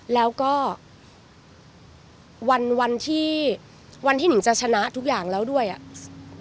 แล้วก็วันที่วันที่หนึ่งจะชนะทุกอย่างแล้วด้วยอ่ะ